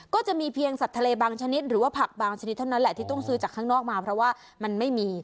ก็จะมีเพียงสัตว์ทะเลบางชนิดหรือว่าผักบางชนิดเท่านั้นแหละที่ต้องซื้อจากข้างนอกมาเพราะว่ามันไม่มี